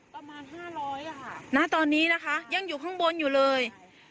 ประมาณ๕๐๐ค่ะณตอนนี้นะคะยังอยู่ข้างบนอยู่เลย